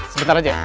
sebentar aja ya